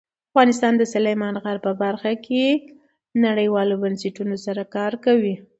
افغانستان د سلیمان غر په برخه کې نړیوالو بنسټونو سره کار کوي.